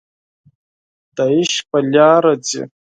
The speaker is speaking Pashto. د عشق په لاره ځي